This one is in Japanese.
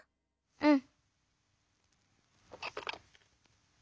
うん。